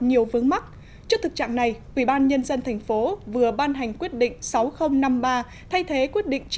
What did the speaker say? nhiều vướng mắc trước thực trạng này ubnd tp vừa ban hành quyết định sáu nghìn năm mươi ba thay thế quyết định chín